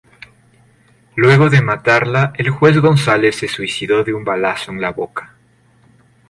Luego de matarla, el juez González se suicidó de un balazo en la boca.